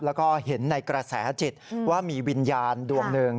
แล้วก็เห็นในกระแสจิตว่ามีวิญญาณดวงหนึ่ง